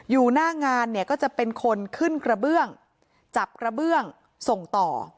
อยู่หน้างานเนี่ยก็จะเป็นคนขึ้นกระเบื้องจับกระเบื้องส่งต่อ